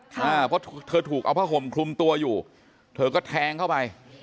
เพราะเธอถูกเอาผ้าห่มคลุมตัวอยู่เธอก็แทงเข้าไป